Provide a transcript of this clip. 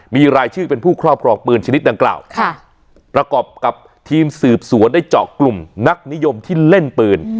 มีรายชื่อเป็นผู้ครอบครองปืนชนิดดังกล่าวประกอบกับทีมสืบสวนได้เจาะกลุ่มนักนิยมที่เล่นปืน